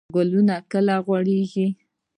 ګلونه کله غوړیږي؟